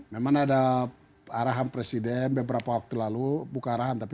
memang ada arahan presiden beberapa waktu lalu buka arahan